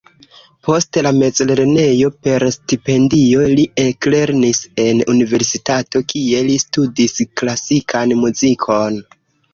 Post la mezlernejo, per stipendio li eklernis en universitato, kie li studis klasikan muzikon.